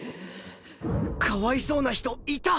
かわいそうな人いた！